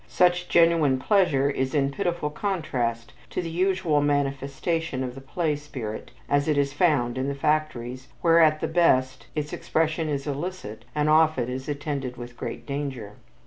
Such genuine pleasure is in pitiful contrast to the usual manifestation of the play spirit as it is found in the factories, where, at the best, its expression is illicit and often is attended with great danger.